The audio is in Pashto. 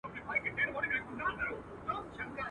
راځه جهاني جوړ سو د پردېسو اوښکو کلی.